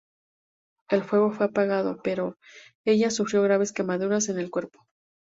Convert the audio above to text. El fuego fue apagado, pero ella sufrió graves quemaduras en el cuerpo.